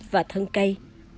và thân cây